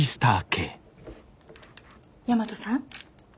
大和さん？